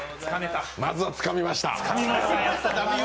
まずはつかみました。